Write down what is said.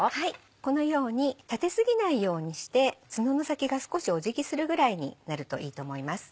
このように立て過ぎないようにしてツノの先が少しお辞儀するぐらいになるといいと思います。